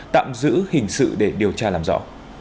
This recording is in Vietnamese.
tạm giữ hình sự để điều tra làm rõ